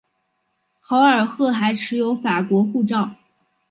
豪尔赫还持有法国护照。